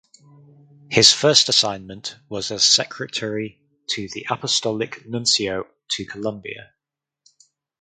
His first assignment was as secretary to the Apostolic Nuncio to Colombia.